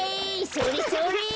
それそれ！